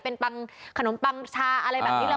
เป็นขนมปังชาอะไรแบบนี้แหละ